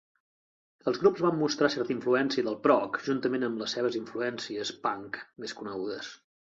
Els grups van mostrar certa influència del prog juntament amb les seves influències punk més conegudes.